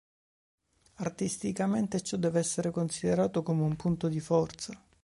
Artisticamente ciò deve essere considerato come un punto di forza.